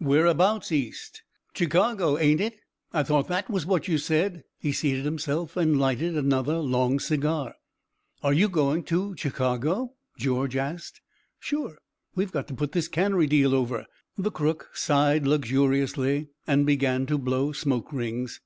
"Whereabouts East?" "Chicago, ain't it? I thought that was what you said." He seated himself and lighted another long cigar. "Are you going to Chicago?" George asked. "Sure! We've got to put this cannery deal over." The crook sighed luxuriously and began to blow smoke rings.